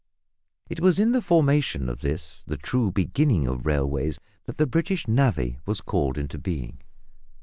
It was in the formation of this, the true beginning of railways, that the British "navvy" was called into being.